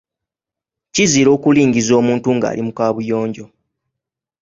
Kizira okulingiza omuntu ng'ali mu kaabuyojo.